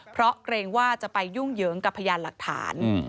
เพราะเกรงว่าจะไปยุ่งเหยิงกับพยานหลักฐาน